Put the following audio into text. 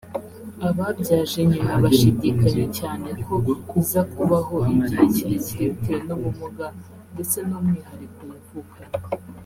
Ababyaje nyina bashidikanya cyane ko iza kubaho igihe kirekire bitewe n’ubumuga ndetse n’umwihariko yavukanye